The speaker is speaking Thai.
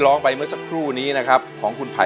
ยังไม่มีให้รักยังไม่มี